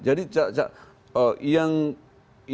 iya jadi cara kerja tersendiri